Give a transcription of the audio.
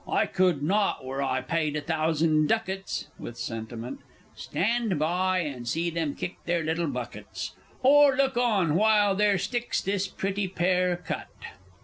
I could not, were I paid a thousand ducats, (With sentiment) Stand by, and see them kick their little buckets, Or look on while their sticks this pretty pair cut!